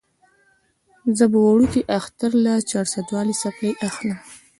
زه به وړوکي اختر له چارسدوالې څپلۍ اخلم